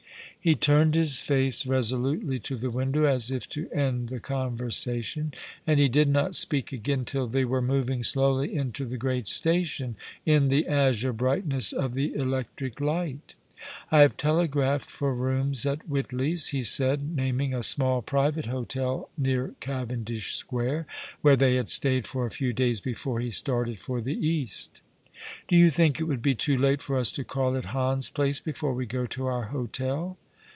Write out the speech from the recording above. He turned his face resolutely to the window, as if to end the conversation, and he did not speak again till they were moving slowly into the great station, in the azure brightness of the electric light. "I have telegraphed for rooms at Whitley's," he said, naming a small private hotel near Cavendish Square, where they had stayed for a few days before he started for the Ease. ^' Afy Life continues yours !^ 189 " Do you think it would be too late for us to call at Hans Place before we go to our hotel